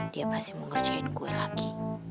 dia pasti mau ngerjain kue lagi